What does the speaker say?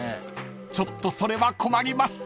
［ちょっとそれは困ります］